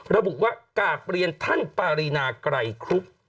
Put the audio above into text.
แล้วบุ๊กว่ากากเปลี่ยนท่านปรินาใกล้คลุป